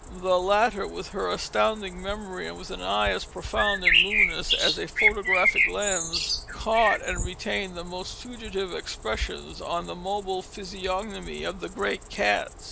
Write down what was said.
The latter, with her astounding memory and with an eye as profound and luminous as a photographic lens, caught and retained the most fugitive expressions on the mobile physiognomy of the great cats.